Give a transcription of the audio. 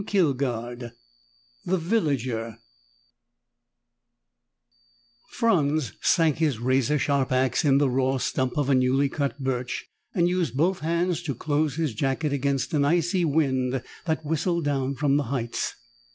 3: THE GREEDY VILLAGER Franz sank his razor sharp ax in the raw stump of a new cut birch and used both hands to close his jacket against an icy wind that whistled down from the heights.